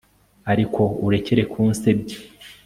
ariko urekere kunsebya